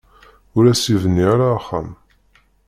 Ur as-yebni ara axxam.